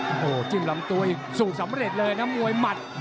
โอ้โหจิ้มลำตัวอีกสูบสำเร็จเลยนะมวยหมัด